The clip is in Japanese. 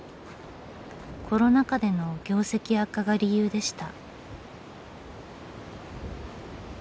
コロナ禍での業績悪化が理由でした。